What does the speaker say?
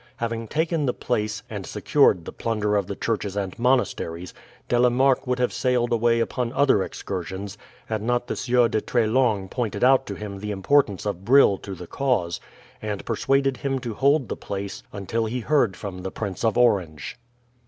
Having taken the place, and secured the plunder of the churches and monasteries, De la Marck would have sailed away upon other excursions had not the Sieur de Treslong pointed out to him the importance of Brill to the cause, and persuaded him to hold the place until he heard from the Prince of Orange.